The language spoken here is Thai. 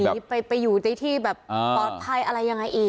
เดี๋ยวหนีไปอยู่ในที่แบบปลอดภัยอะไรยังไงอีก